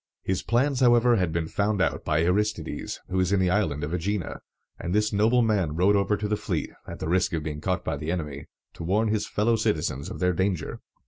His plans, however, had been found out by Aristides, who was in the Island of Ægina; and this noble man rowed over to the fleet, at the risk of being caught by the enemy, to warn his fellow citizens of their danger.